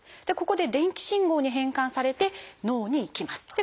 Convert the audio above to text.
でここで電気信号に変換されて脳に行きます。